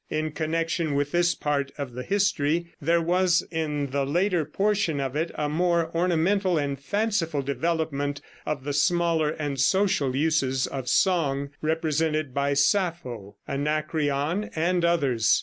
In connection with this part of the history, there was in the later portion of it a more ornamental and fanciful development of the smaller and social uses of song, represented by Sappho, Anacreon and others.